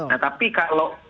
nah tapi kalau